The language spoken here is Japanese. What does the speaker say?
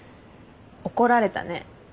怒られたね。